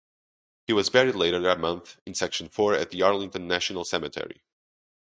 He was buried later that month in section four at Arlington National Cemetery.